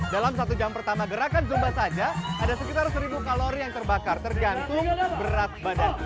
dalam satu jam pertama gerakan zumba saja ada sekitar seribu kalori yang terbakar tergantung berat badan